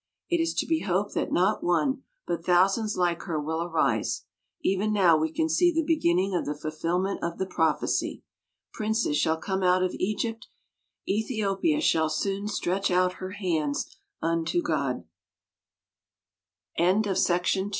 It is to be hoped that not one but thousands like her will arise. Even now we can see the beginning of the fulfilment of the prophecy, "Princes shall come out of Egypt; Ethiopia shall soon stretch out her hands unt